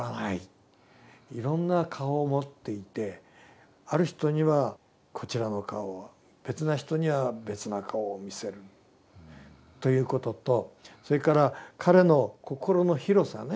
いろんな顔を持っていてある人にはこちらの顔を別な人には別な顔を見せるということとそれから彼のこころの広さね。